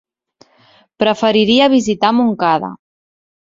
Preferiria visitar Montcada.